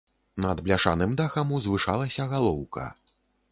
Над бляшаным дахам узвышалася галоўка.